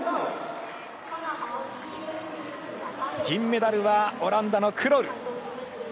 銀メダルはオランダのクロル。